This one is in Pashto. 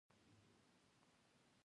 د افغانستان په منظره کې پکتیکا ښکاره ده.